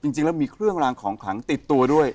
จริงแล้วมีเครื่องรางของขลังติดตัวด้วย